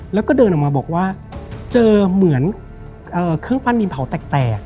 แล้วก็เดินออกมาบอกว่าเจอเหมือนเครื่องปั้นดินเผาแตก